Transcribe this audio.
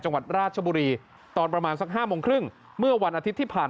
จังหวัดราชบุรีตอนประมาณสัก๕โมงครึ่งเมื่อวันอาทิตย์ที่ผ่าน